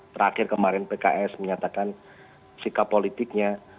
terakhir kemarin pks menyatakan sikap politiknya